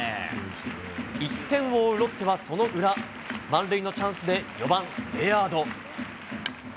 １点を追うロッテは、その裏満塁のチャンスで４番、レアード。